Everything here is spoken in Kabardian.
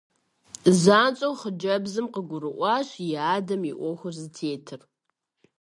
ЗанщӀэу хъыджэбзым къыгурыӀуащ и адэм и Ӏуэхур зытетыр.